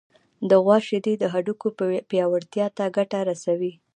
د غوا شیدې د هډوکو پیاوړتیا ته ګټه رسوي.